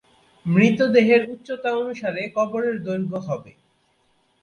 মৃত দেহের উচ্চতা অনুসারে কবরের দৈর্ঘ্য হবে।